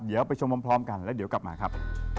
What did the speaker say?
เดี๋ยวไปชมพร้อมกันแล้วเดี๋ยวกลับมาครับ